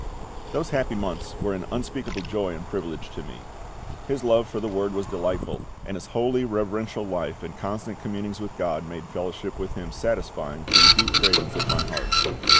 Those happy months were an unspeakable joy and privilege to me. His love for the Word was delightful, and his holy, reverential life and constant communings with GOD made fellowship with him satisfying to the deep cravings of my heart.